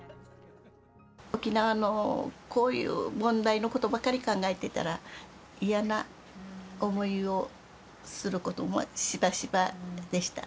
沖縄のこういう問題のことばかり考えていたら、嫌な思いをすることもしばしばでした。